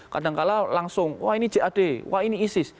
kadangkala langsung wah ini jad wah ini isis